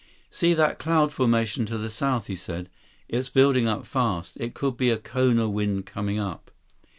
"See that cloud formation to the south?" he said. "It's building up fast. It could be a Kona wind coming up."